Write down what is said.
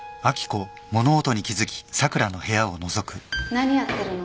・何やってるの？